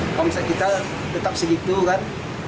kalau misalnya kita tetap segitu kan